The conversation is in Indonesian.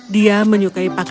dia menyukai pakaian yang bagus